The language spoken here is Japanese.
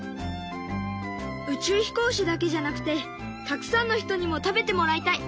宇宙飛行士だけじゃなくてたくさんの人にも食べてもらいたい。